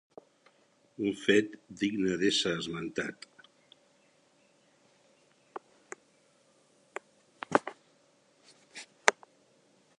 Un fet digne d'ésser esmentat.